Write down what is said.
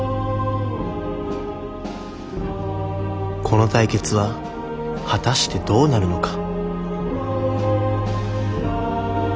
この対決は果たしてどうなるのか？